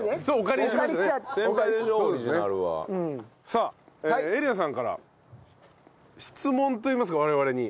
さあ瑛里奈さんから質問といいますか我々に。